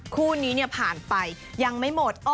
คู่นี้ผ่านไปยังไม่หมด